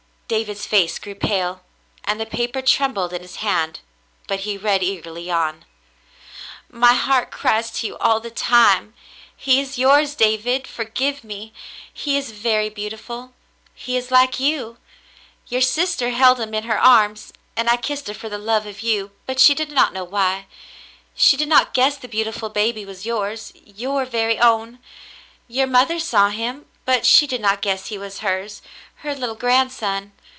David's face grew pale, and the paper trem bled in his hand, but he read eagerly on. " My heart cries to you all the time. He is yours, David; forgive me. He is very beautiful. He is like you. Your sister held him in her arms, and I kissed her for love of you, but she did not know why. She did not guess the beautiful baby was yours — your very own. Your mother saw him, but she did not guess he was hers — her little grandson.